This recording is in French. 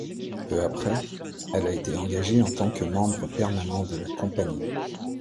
Peu après, elle a été engagée en tant que membre permanent de la compagnie.